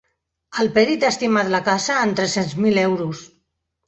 El pèrit ha estimat la casa en tres-cents mil euros.